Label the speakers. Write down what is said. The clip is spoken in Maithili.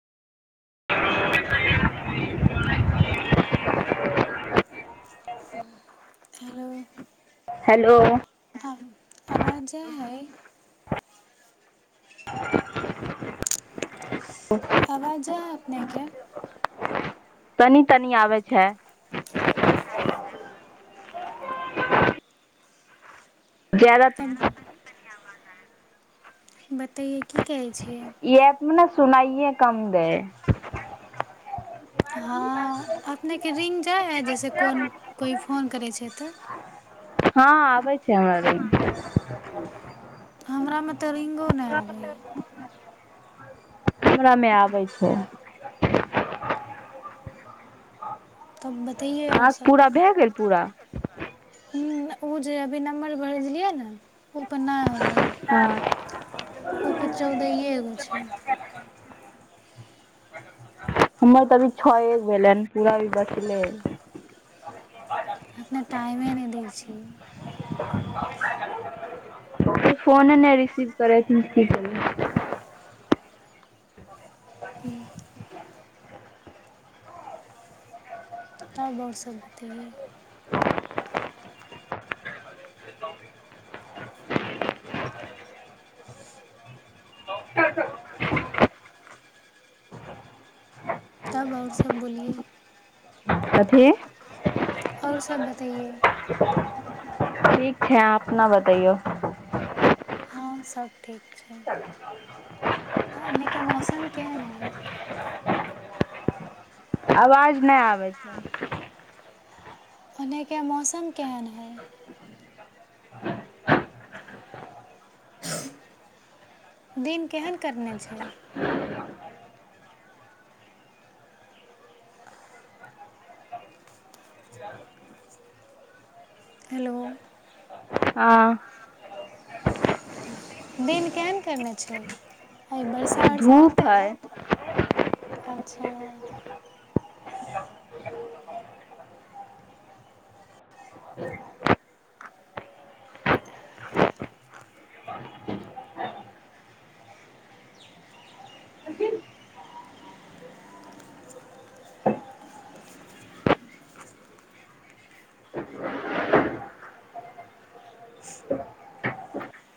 Speaker 1: [unintelligible]
Speaker 2: हेलो
Speaker 1: हेलो
Speaker 2: आ आबाज जाय है
Speaker 1: [unintelligible]
Speaker 2: आवाज जा हे अपने के
Speaker 1: तनी तनी आबै छै ज्याद त
Speaker 2: तब बतैयए की कहै छियै
Speaker 1: सुनाइए कम दे
Speaker 2: हँ अपने के रिंग जाय है जैसे कोन कोई फोन करे छै छै तऽ
Speaker 1: हँ आबै छै हमर
Speaker 2: हमरा मे त रिगो नहि आबै
Speaker 1: हमरा मे आबै छै
Speaker 2: तब बतैेयै आओर
Speaker 1: अहाँके
Speaker 2: सब
Speaker 1: पूरा भए गेल पूरा
Speaker 2: हूँ ओ जे अभी नम्बर भरजलियै ने ओपर नहि होलै
Speaker 1: हँ
Speaker 2: ओपर चौदैए गो छै
Speaker 1: हमर तऽ अभी छओ एक भेलनि पूरा भी बचले
Speaker 2: टाइमे नहि दै छी
Speaker 1: त फोन ने रिसीव करै छी की करियै
Speaker 2: तब आओर सब बते यौ तब आओर सभ बोलियै
Speaker 1: कथी
Speaker 2: आओर सभ बतैयए
Speaker 1: ठीक छै आहाँ अपना बतैयै
Speaker 2: हँ सब ठीक छै आ एनेके मौसम केहन है
Speaker 1: आवाज नहि आबै छै
Speaker 2: ओन्न के मौसम केहन हइ दिन केहन करने छै हेलो
Speaker 1: हँ
Speaker 2: दिन केहन कयने छै अइ बर्षा वर्सा
Speaker 1: धूप
Speaker 2: होतै
Speaker 1: हय
Speaker 2: अच्छा